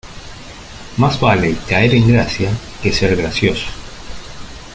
Más vale caer en gracia que ser gracioso.